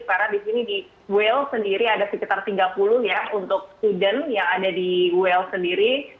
karena di sini di well sendiri ada sekitar tiga puluh ya untuk student yang ada di well sendiri